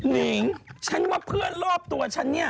นิงฉันว่าเพื่อนรอบตัวฉันเนี่ย